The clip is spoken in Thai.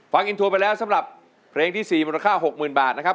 ฟังอินโทรไปแล้วสำหรับเพลงที่๔มูลค่า๖๐๐๐บาทนะครับ